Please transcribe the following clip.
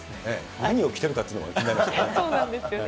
何を着てるかっていうのも気になりますよね。